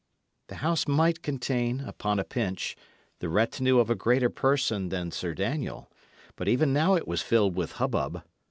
The house might contain, upon a pinch, the retinue of a greater person than Sir Daniel; but even now it was filled with hubbub.